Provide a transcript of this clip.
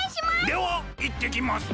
ではいってきます！